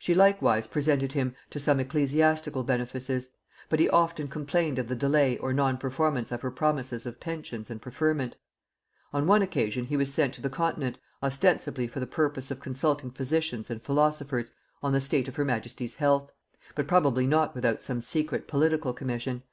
She likewise presented him to some ecclesiastical benefices; but he often complained of the delay or non performance of her promises of pensions and preferment. On one occasion he was sent to the continent, ostensibly for the purpose of consulting physicians and philosophers on the state of her majesty's health; but probably not without some secret political commission.